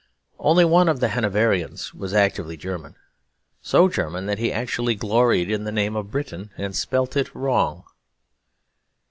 Only one of the Hanoverians was actively German; so German that he actually gloried in the name of Briton, and spelt it wrong.